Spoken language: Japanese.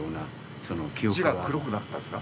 字が黒くなかったですか？